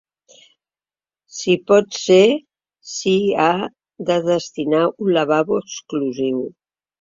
Si pot ser s’hi ha de destinar un lavabo exclusiu.